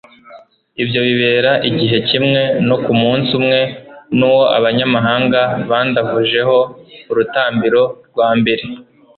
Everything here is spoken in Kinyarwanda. ibyo bibera igihe kimwe no ku munsi umwe n'uwo abanyamahanga bandavujeho urutambiro rwa mbere